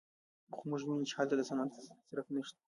خو موږ ویني چې هلته د صنعت څرک نشته